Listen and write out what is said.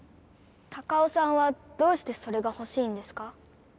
タカオさんはどうしてそれがほしいんですか？